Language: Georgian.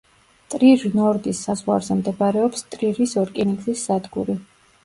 ტრირ–ნორდის საზღვარზე მდებარეობს ტრირის რკინიგზის სადგური.